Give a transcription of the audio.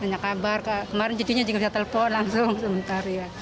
nanya kabar kemarin cucunya juga bisa telepon langsung sementara ya